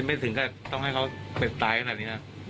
ไม่ถึงก็ต้องให้เขาไปตายขนาดนี้นะครับ